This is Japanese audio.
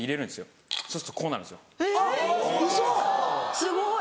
・すごい！